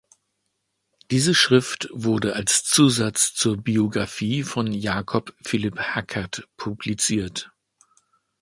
Diese Schrift wurde als Zusatz zur Biographie von Jakob Philipp Hackert publiziert.